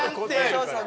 そうそう。